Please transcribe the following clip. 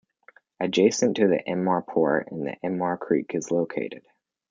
Adjacent to the Ennore Port the Ennore Creek is located.